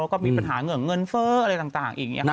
แล้วก็มีปัญหาเงินเงินเฟ้ออะไรต่างอย่างนี้เขาก็บวน